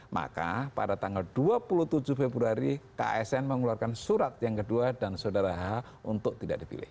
maka pada tanggal dua puluh tujuh februari ksn mengeluarkan surat yang kedua dan saudara h untuk tidak dipilih